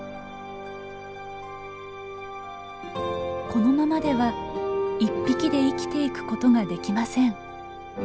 このままでは１匹で生きていくことができません。